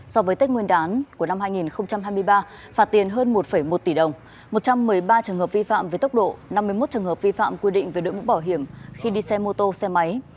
so với tết nguyên đán của năm hai nghìn hai mươi ba phạt tiền hơn một một tỷ đồng một trăm một mươi ba trường hợp vi phạm về tốc độ năm mươi một trường hợp vi phạm quy định về đội mũ bảo hiểm khi đi xe mô tô xe máy